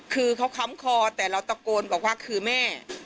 คือเขาค้ำคอแต่เราตะโกนบอกว่าคือแม่